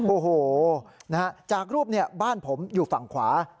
โอ้โหจากรูปบ้านผมอยู่ฝั่งขวา